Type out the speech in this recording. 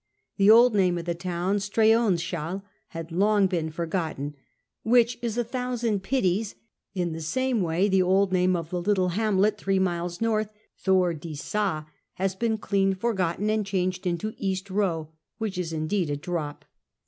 The old name of the town, Streoneshalh, has long been forgotten, wJiich is a thousand pities ; in the same way the old name of the little hamlet three miles north, Tliordisfi, has been clean forgotten, and changed into East liow, which is indeed a dmp.